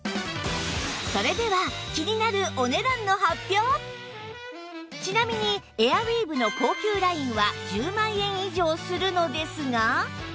それでは気になるちなみにエアウィーヴの高級ラインは１０万円以上するのですが